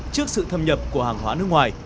trước sự thâm nhập của hàng hóa nước ngoài